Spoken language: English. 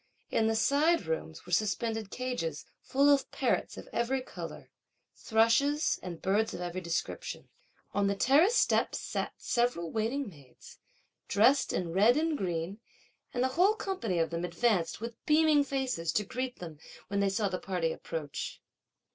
In the side rooms were suspended cages, full of parrots of every colour, thrushes, and birds of every description. On the terrace steps, sat several waiting maids, dressed in red and green, and the whole company of them advanced, with beaming faces, to greet them, when they saw the party approach.